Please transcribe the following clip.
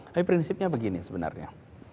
tapi prinsipnya begini sebenarnya